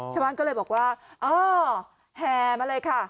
ฉะนั้นก็เลยบอกว่าอ้าวแฮมมาเลยค่ะ